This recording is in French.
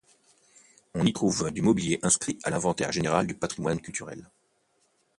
On y trouve du mobilier inscrit à l'Inventaire général du patrimoine culturel.